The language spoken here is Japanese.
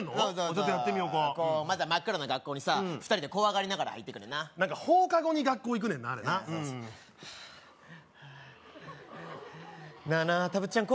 ちょっとやってみようかまずは真っ暗な学校にさ２人で怖がりながら入ってくんねんな何か放課後に学校行くねんなあれななあなあたぶっちゃん